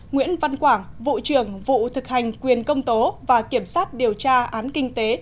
nguyễn văn quảng vụ trưởng vụ thực hành quyền công tố và kiểm sát điều tra án kinh tế